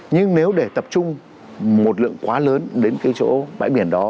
nhưng nếu để tập trung một lượng quá lớn đến cái chỗ bãi biển đó